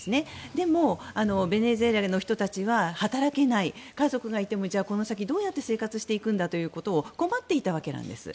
でもベネズエラの人たちは働けない家族がいてもこの先どうやって生活していけばいいのかということを困っていたわけなんです。